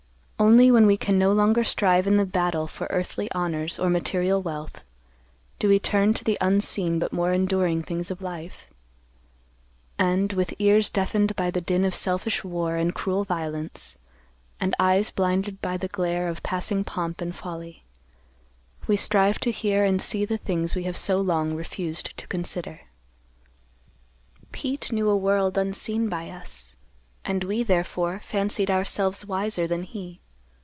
Only when we can no longer strive in the battle for earthly honors or material wealth, do we turn to the unseen but more enduring things of life; and, with ears deafened by the din of selfish war and cruel violence, and eyes blinded by the glare of passing pomp and folly, we strive to hear and see the things we have so long refused to consider. "Pete knew a world unseen by us, and we, therefore, fancied ourselves wiser than he.